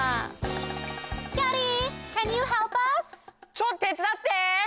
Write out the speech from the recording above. ・ちょっと手つだって！